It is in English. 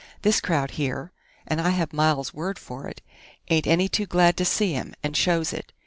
This crowd here and I have Miles' word for it ain't any too glad to see him, and shows it.